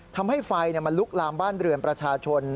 ทำให้ไฟมันลุกลามบ้านเรือนประชาชน